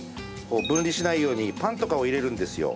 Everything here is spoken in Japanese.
分離しないようにパンとかを入れるんですよ。